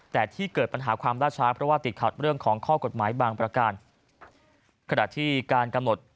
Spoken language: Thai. แต่ที่เกิดปัญหาความร่าช้าเพราะว่าติดขัดเรื่องของข้อกฎหมายบางประการ